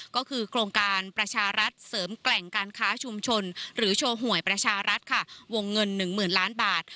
ก็คือโครงการประชารัฐเสริมแกร่งการค้าชุมชนหรือโชว์หวยประชารัฐค่ะวงเงิน๑๐๐๐ล้านบาท